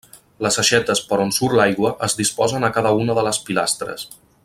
Les aixetes per on surt l'aigua es disposen a cada una de les pilastres.